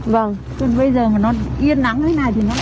vâng bây giờ mà nó yên nắng như thế này thì nó lại còn đỡ